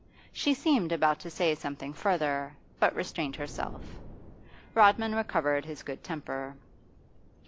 She seemed about to say something further, but restrained herself. Rodman recovered his good temper.